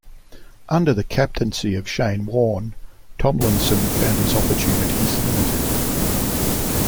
Under the captaincy of Shane Warne, Tomlinson found his opportunities limited.